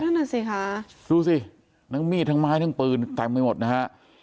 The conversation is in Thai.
นั่นน่ะสิคะดูสิทั้งมีดทั้งไม้ทั้งปืนเต็มไปหมดนะฮะ